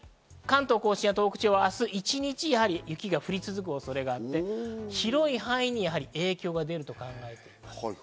関東甲信や東北地方は、一日雪が降り続く恐れがあって、広い範囲に影響が出ると考えています。